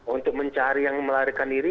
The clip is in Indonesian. untuk mencari yang melarikan diri